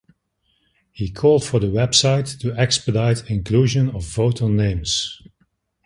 He called for the website to expedite inclusion of voter names.